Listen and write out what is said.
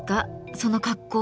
その格好。